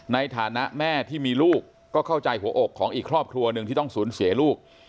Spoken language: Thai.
ในฐานะแม่ที่มีลูกก็เข้าใจหัวอกของอีกครอบครัวหนึ่งที่ต้องสูญเสียลูก